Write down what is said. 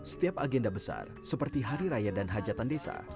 setiap agenda besar seperti hari raya dan hajatan desa